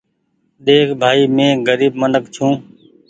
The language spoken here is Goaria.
ۮيک ڀآئي مينٚ غريب منک ڇوٚنٚ